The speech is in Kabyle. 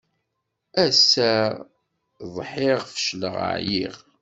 Ass-a ḍḥiɣ fecleɣ ɛyiɣ.